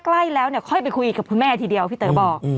ใกล้แล้วเนี่ยค่อยไปคุยกับคุณแม่ทีเดียวพี่เต๋อบอก